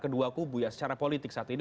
kedua kubu ya secara politik saat ini